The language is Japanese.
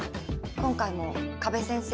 今回も加部先生